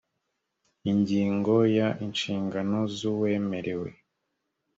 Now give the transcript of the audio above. ingingo ya inshingano z uwemerewe